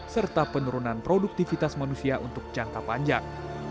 serta penurunan produktivitas manusia untuk jangka panjang